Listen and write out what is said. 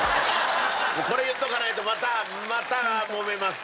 これ言っておかないとまたまたもめますから。